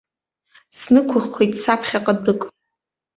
Снықәыххит саԥхьаҟа дәык.